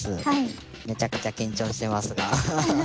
めちゃくちゃ緊張してますが。